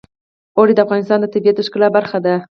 اوړي د افغانستان د طبیعت د ښکلا برخه ده.